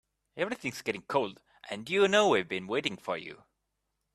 Everything's getting cold and you know we've been waiting for you.